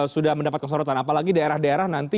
sudah mendapat kesorotan apalagi daerah daerah nanti